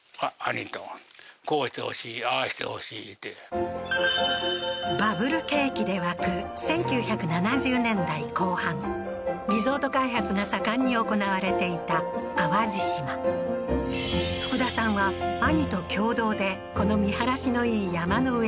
４５４６年前バブル景気で沸く１９７０年代後半リゾート開発が盛んに行われていた淡路島福田さんは兄と共同でこの見晴らしのいい山の上の土地